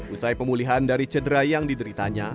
usai pemulihan dari cedera yang dideritanya